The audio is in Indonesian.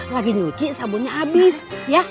lagi nyuci sabunnya habis ya